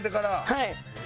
はい。